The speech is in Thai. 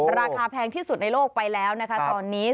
แพงที่สุดในโลกไปแล้วนะคะตอนนี้